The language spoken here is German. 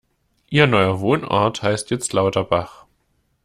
Ihr neuer Wohnort heißt jetzt Lauterbach.